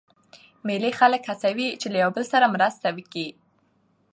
مېلې خلک هڅوي، چي له یو بل سره مرسته وکي.